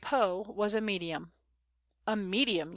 Poe was a medium. "A medium!"